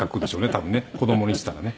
多分ね子供にしたらね。